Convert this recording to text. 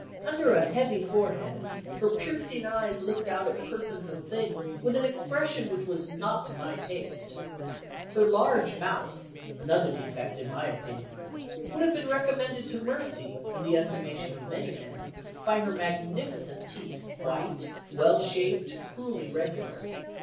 Under a heavy forehead, her piercing eyes looked out at persons and things with an expression which was not to my taste. Her large mouth another defect, in my opinion would have been recommended to mercy, in the estimation of many men, by her magnificent teeth; white, well shaped, cruelly regular.